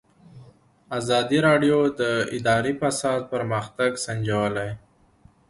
ازادي راډیو د اداري فساد پرمختګ سنجولی.